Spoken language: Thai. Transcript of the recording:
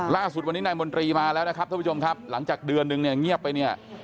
และก็อย่างที่บอกเขาก็เดินหนีไปเลย